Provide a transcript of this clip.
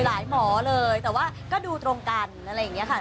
หมอเลยแต่ว่าก็ดูตรงกันอะไรอย่างนี้ค่ะ